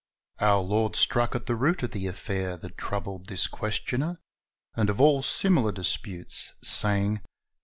Our Lord struck at the root of the affair that troubled this questioner, and of all similar disputes, saying, "Take J Matt.